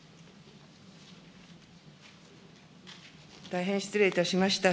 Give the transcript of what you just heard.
大変失礼いたしました。